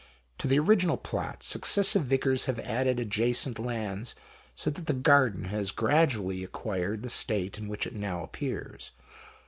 To the original plot successive Vicars have added adjacent lands, so that the garden has gradually acquired the state in which it now appears.